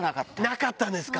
なかったんですか。